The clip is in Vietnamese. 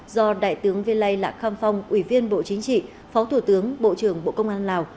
do đại tướng viên lây lạ kham phong ủy viên bộ chính trị phó thủ tướng bộ trưởng bộ công an lào